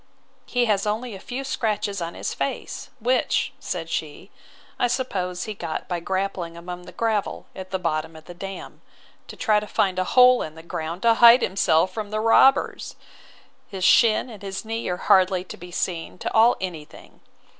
He has only a few scratches on his face; which, said she, I suppose he got by grappling among the gravel at the bottom of the dam, to try to find a hole in the ground, to hide himself from the robbers. His shin and his knee are hardly to be seen to ail any thing.